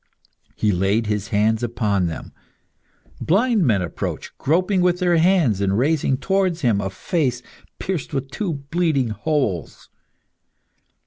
He laid his hands upon them. Blind men approached, groping with their hands, and raising towards him a face pierced with two bleeding holes.